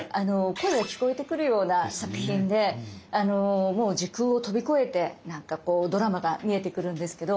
声が聞こえてくるような作品でもう時空を飛び越えてなんかドラマが見えてくるんですけど。